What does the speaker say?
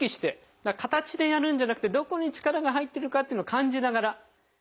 だから形でやるんじゃなくてどこに力が入ってるかっていうのを感じながら。